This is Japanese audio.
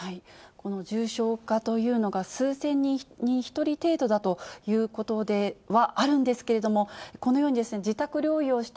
重症化というのが数千人に１人程度だということであるんですけれども、このように自宅療養し